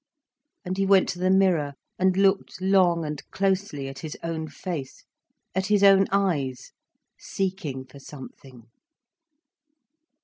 And he went to the mirror and looked long and closely at his own face, at his own eyes, seeking for something.